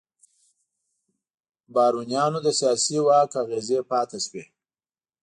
بارونیانو د سیاسي واک اغېزې پاتې شوې.